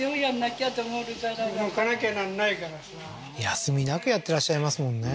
休みなくやってらっしゃいますもんね